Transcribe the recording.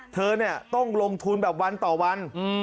เธอต้องลงทุนแบบวันต่อวัน